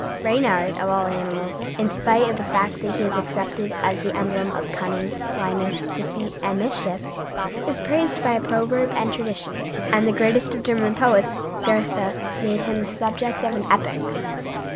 Reynard, of all animals, in spite of the fact that he is accepted as the emblem of cunning, slyness, deceit, and mischief, is praised by proverb and tradition, and the greatest of German poets, Goethe, made him the subject of an epic.